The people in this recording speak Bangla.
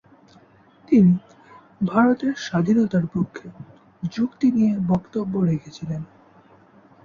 তিনি ভারতের স্বাধীনতার পক্ষে যুক্তি নিয়ে বক্তব্য রেখেছিলেন।